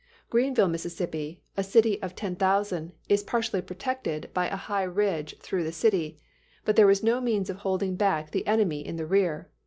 Greenville, Mississippi, a city of 10,000, is partially protected by a high ridge through the city; but there was no means of holding back the enemy in the rear.